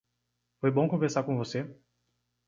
Foi bom conversar com você.